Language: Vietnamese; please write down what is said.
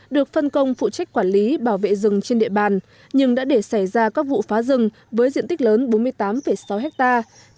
được phân công phụ trách quản lý bảo vệ rừng trên địa bàn nhưng đã để xảy ra các vụ phá rừng với diện tích lớn bốn mươi tám sáu hectare